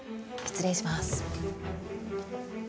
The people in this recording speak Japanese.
失礼します。